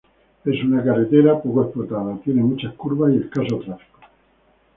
Es una carretera poco explotada, tiene muchas curvas y escaso tráfico.